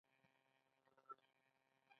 د رومي واکمنۍ ړنګېدو هنګامه خپره کړه.